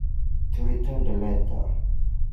To return to the letter.